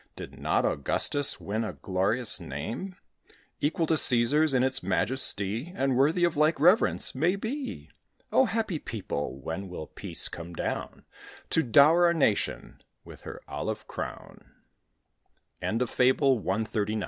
Did not Augustus win a glorious name, Equal to Cæsar's in its majesty, And worthy of like reverence, may be? Oh, happy people, when will Peace come down, To dower our nation with her olive crown? FABLE CXL.